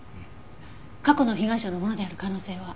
過去の被害者のものである可能性は？